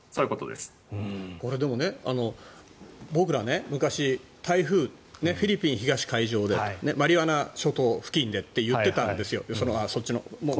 これ、でも僕ら昔、台風フィリピン東海上でマリアナ諸島付近でって言っていたんですよ。